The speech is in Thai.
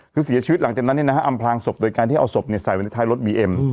คือเสียชีวิตหลังจากนั้นอำพลางศพโดยการที่เอาศพใส่ไว้ในท้ายรถบีเอ็ม